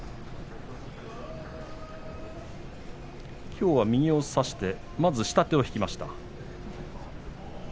きょうは右を差してまず下手を引きました。